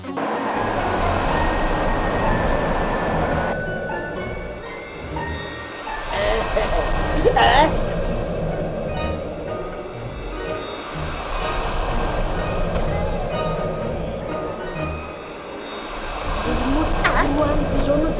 gimut kamu aneh ke sana tuh